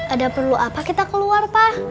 ada perlu apa kita keluar pak